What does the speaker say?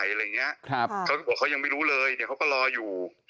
อะไรอย่างเงี้ยครับเขาบอกเขายังไม่รู้เลยเดี๋ยวเขาก็รออยู่